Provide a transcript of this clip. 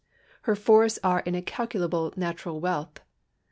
Her forests are an incalculable natural wealth.